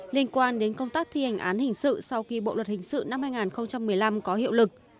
liên quan đến công tác thi hành án hình sự sau khi bộ luật hình sự năm hai nghìn một mươi năm có hiệu lực